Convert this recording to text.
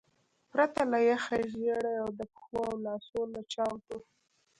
پرته له یخه ژیړي او د پښو او لاسو له چاودو.